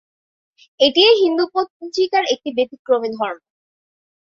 এটিই হিন্দু পঞ্জিকার একটি ব্যতিক্রমী ধর্ম।